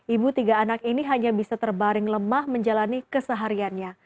ibu tiga anak ini hanya bisa terbaring lemah menjalani kesehariannya